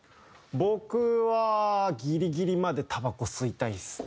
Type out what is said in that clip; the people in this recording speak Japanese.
僕はギリギリまでタバコ吸いたいですね。